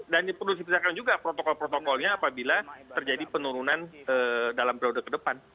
dan perlu dipersiapkan juga protokol protokolnya apabila terjadi penurunan dalam periode ke depan